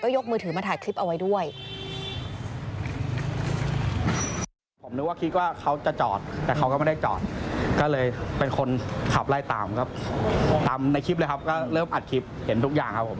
ยกมือถือมาถ่ายคลิปเอาไว้ด้วย